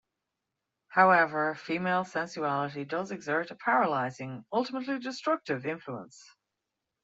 However, female sensuality does exert a paralyzing, ultimately destructive influence.